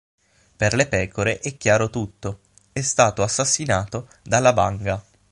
Per le pecore è chiaro tutto: è stato assassinato dalla vanga.